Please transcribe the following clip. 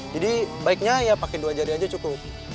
jadi baiknya ya pakai dua jari aja cukup